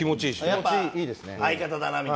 やっぱ相方だなみたいな。